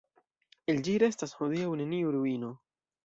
El ĝi restas hodiaŭ neniu ruino.